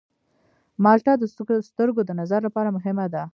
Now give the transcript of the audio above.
مالټه د سترګو د نظر لپاره مهمه ده.